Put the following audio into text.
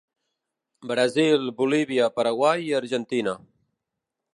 Brasil, Bolívia, Paraguai i Argentina.